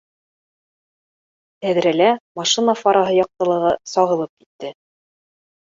Тәҙрәлә машина фараһы яҡтылығы сағылып китте